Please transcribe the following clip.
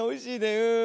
うん。